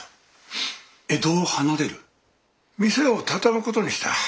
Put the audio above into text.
店を畳む事にした。